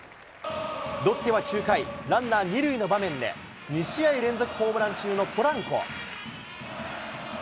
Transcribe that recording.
ロッテは９回、ランナー２塁の場面で、２試合連続ホームラン中のポランコ。